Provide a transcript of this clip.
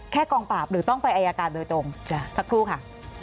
กองปราบหรือต้องไปอายการโดยตรงสักครู่ค่ะ